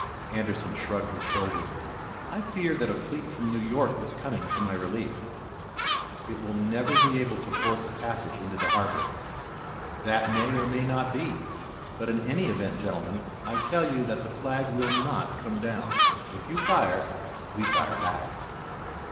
Anderson shrugged his shoulders. "I hear that a fleet from New York is coming to my relief." "It will never be able to force a passage into the harbor." "That may or may not be, but in any event, gentlemen, I tell you that the flag will not come down. If you fire, we fire back."